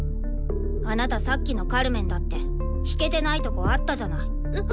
あなたさっきのカルメンだって弾けてないとこあったじゃない。